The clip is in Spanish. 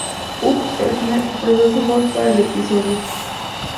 Hugh Hefner prestó su voz para el episodio.